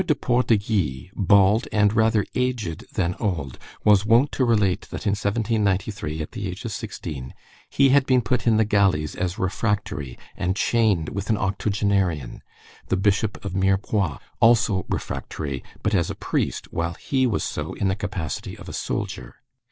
de Port de Guy, bald, and rather aged than old, was wont to relate that in 1793, at the age of sixteen, he had been put in the galleys as refractory and chained with an octogenarian, the Bishop of Mirepoix, also refractory, but as a priest, while he was so in the capacity of a soldier.